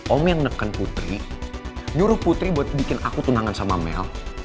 om yang neken putri nyuruh putri buat bikin aku tunangan sama mel